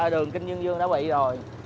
đường kinh dương dương đã bị rồi